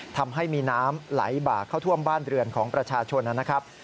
ทำให้มีน้ำไหลบากเข้าท่วมบ้านเรือนของประชาชนนะครับ